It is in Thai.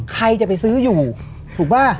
ใครจะไปซื้ออยู่ถูกป่ะ